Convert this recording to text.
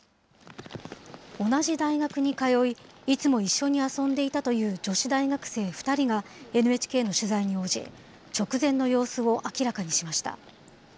同じ大学に通い、いつも一緒に遊んでいたという女子大学生２人が、ＮＨＫの取材に応じ、直前の様子を明らかにしました。